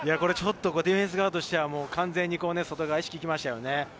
ディフェンス側としては完全に外側に意識がいきましたね。